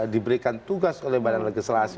diberikan tugas oleh badan legislasi